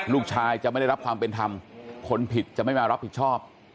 ลูกชายจะไม่ได้รับความเป็นธรรมคนผิดจะไม่มารับผิดชอบ